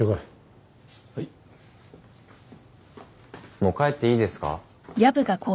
もう帰っていいですか？